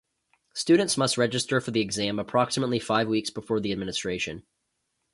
Students must register for the exam approximately five weeks before the administration.